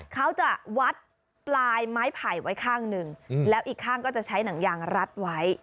เขาจะวัดปลายไม้ไผ่ไว้ข้างหนึ่งแล้วอีกข้างก็จะใช้หนังยางรัดไว้